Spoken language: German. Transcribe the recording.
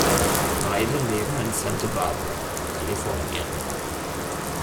Beide leben in Santa Barbara, Kalifornien.